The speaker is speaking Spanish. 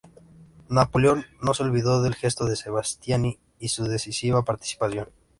Napoleón no se olvidó del gesto de Sebastiani y su decisiva participación.